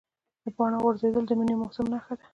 د پاڼو غورځېدل د مني موسم نښه ده.